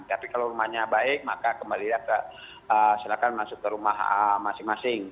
tapi kalau rumahnya baik maka kembali silakan masuk ke rumah masing masing